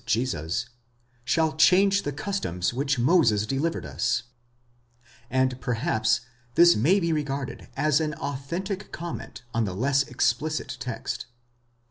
Jesus) shall change the customs which Moses delivered us ; and perhaps this may be regarded as an authentic comment on the less explicit text.